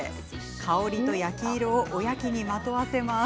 香りと焼き色をおやきにまとわせます。